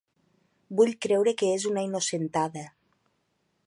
Vull creure que és una innocentada.